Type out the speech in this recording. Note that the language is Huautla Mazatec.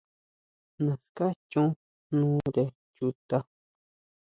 Naská chon jnore chuta.